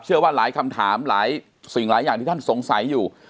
เชื่อว่าหลายคำถามหลายสิ่งหลายอย่างที่ท่านสงสัยอยู่